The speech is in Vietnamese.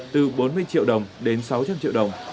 từ bốn mươi triệu đồng đến sáu trăm linh triệu đồng